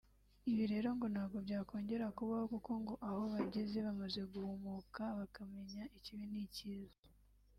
Ibi rero ngo ntabwo byakongera kubaho kuko ngo aho bageze bamaze guhumuka bakamenya ikibi n’ikiza